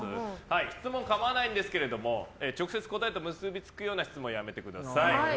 質問、構わないんですけど直接答えと結びつくような質問はやめてください。